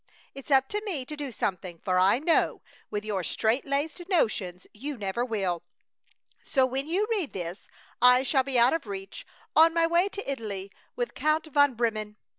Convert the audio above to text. It's up to me to do something, for I know, with your strait laced notions, you never will! So when you read this I shall be out of reach, on my way to Italy with Count von Bremen.